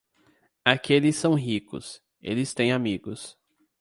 Aqueles são ricos, eles têm amigos.